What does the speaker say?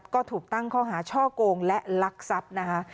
ก็ถูกตั้งข้อหาช่อกงและลักทรัพย์นะคะ